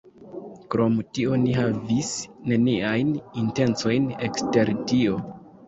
Krom tio Ni havis neniajn intencojn ekster tio.